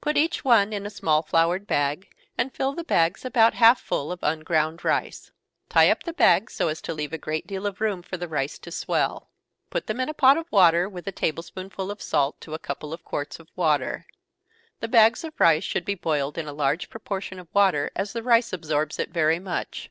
Put each one in a small floured bag, and fill the bags about half full of unground rice. Tie up the bags so as to leave a great deal of room for the rice to swell. Put them in a pot of water, with a table spoonful of salt to a couple of quarts of water. The bags of rice should be boiled in a large proportion of water, as the rice absorbs it very much.